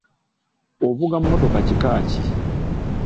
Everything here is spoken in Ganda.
Ovuga mmotoka kika ki?